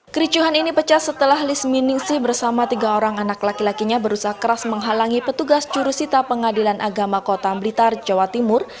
kericuhan ini pecah setelah lis miningsih bersama tiga orang anak laki lakinya berusaha keras menghalangi petugas jurusita pengadilan agama kota blitar jawa timur